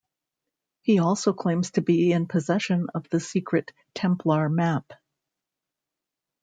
He also claims to be in possession of the secret Templar map.